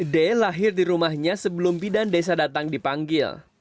d lahir di rumahnya sebelum bidan desa datang dipanggil